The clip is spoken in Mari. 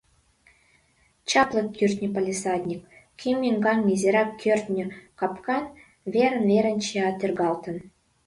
Чапле кӱртньӧ палисадник; кӱ меҥган изирак кӱртньӧ капка; верын-верын чия тӧргалтын.